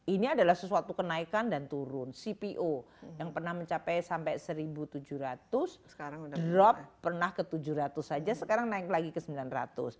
ini adalah sesuatu kenaikan dan turun cpo yang pernah mencapai sampai satu tujuh ratus sekarang sudah drop pernah ke tujuh ratus saja sekarang naik lagi ke sembilan ratus